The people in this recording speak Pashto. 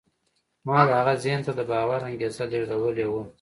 ما د هغه ذهن ته د باور انګېزه لېږدولې وه.